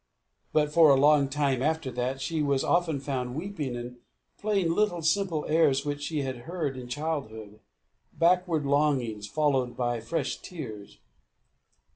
But for a long time after that, she was often found weeping, and playing little simple airs which she had heard in childhood backward longings, followed by fresh tears.